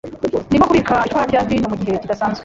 Ndimo kubika icupa rya vino mugihe kidasanzwe.